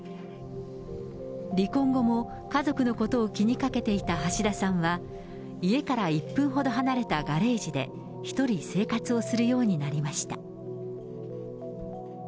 離婚後も、家族のことを気にかけていた橋田さんは、家から１分ほど離れたガレージで一人、生活をするようになりました。